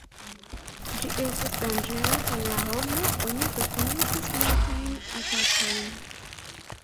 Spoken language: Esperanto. Ĝi estas danĝera por la homo, oni dokumentis multajn atakojn.